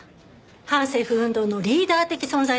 反政府運動のリーダー的存在だった女性ですよ。